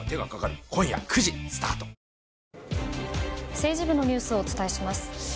政治部のニュースをお伝えします。